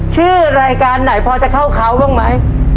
ชื่อรายการไหนพอจะเข้าเขาบ้างไหม